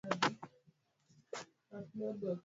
Unastahili kuchukuliwa kama makosa makubwa dhidi ya wanadamu